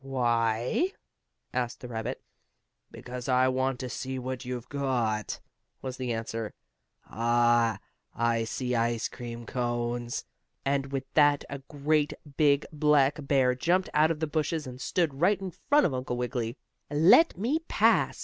"Why?" asked the rabbit. "Because I want to see what you've got," was the answer. "Ah, I see ice cream cones!" and with that a great, big, black bear jumped out of the bushes, and stood right in front of Uncle Wiggily. "Let me pass!"